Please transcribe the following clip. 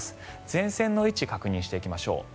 前線の位置確認していきましょう。